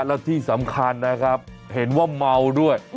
แล้วที่สำคัญนะครับเห็นว่าเมาด้วย